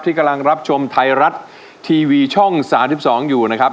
ที่กำลังรับชมไทยรัฐทีวีช่องสามสิบสองอยู่นะครับ